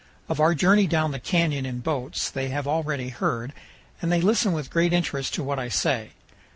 Of our journey down the canyon in boats they have already heard, and they listen with great interest to what I say.